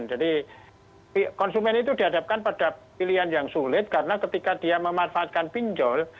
jadi konsumen itu dihadapkan pada pilihan yang sulit karena ketika dia memanfaatkan pinjol